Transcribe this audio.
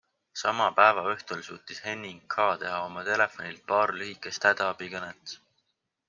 Sama päeva õhtul suutis Henning K. teha oma telefonilt paar lühikest hädaabikõnet.